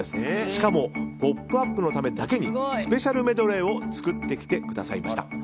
しかも「ポップＵＰ！」のためだけにスペシャルメドレーを作ってきていただきました。